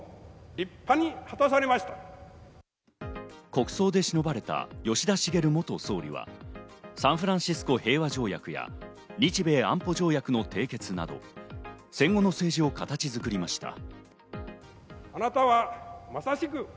国葬でしのばれた吉田茂元総理はサンフランシスコ平和条約や、日米安保条約の締結など、戦後の政治を形作りました。